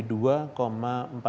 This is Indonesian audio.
sedangkan di papua